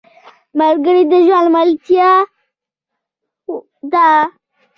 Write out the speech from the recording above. ملګری د ژوند ملتیا ده